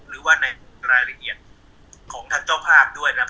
หรือว่าในรายละเอียดของทางเจ้าภาพด้วยนะครับ